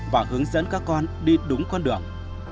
và hướng dẫn các con đi đúng con đường